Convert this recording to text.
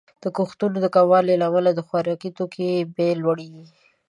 د کښتونو د کموالي له امله د خوراکي توکو بیې لوړیږي.